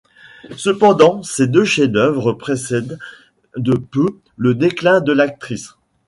Cependant ces deux chefs d'œuvre précèdent de peu le déclin de l'actrice.